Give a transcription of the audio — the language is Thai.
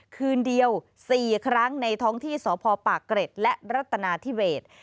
คืนเดียว๔ครั้งในท้องที่สพปากเกร็ดและรัตนาธิเบส